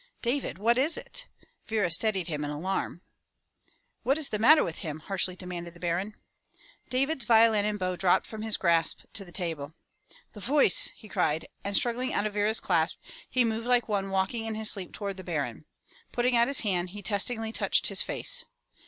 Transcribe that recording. "David, what is it?" Vera steadied him in alarm. "What is the matter with him?" harshly demanded the Baron. David's violin and bow dropped from his grasp to the table. "The voice!" he cried and struggling out of Vera's clasp he moved like one walking in his sleep toward the Baron. Putting out his hand, he testingly touched his face.